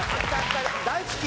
大好き！